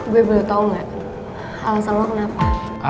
gue belum tahu enggak alasan lo kenapa